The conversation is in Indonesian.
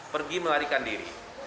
pergi melarikan diri